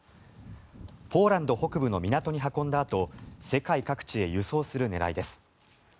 ポーランド北部の港に運んだあと世界各地へ輸送する狙いです。